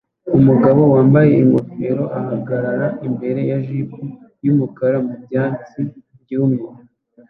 Umugabo wambaye ingofero ahagarara imbere ya jeep yumukara mubyatsi byumye